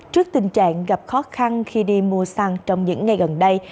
trước tình trạng gặp khó khăn khi đi mua xăng trong những ngày gần đây